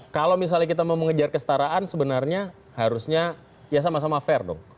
kalau misalnya kita mau mengejar kestaraan sebenarnya harusnya ya sama sama fair dong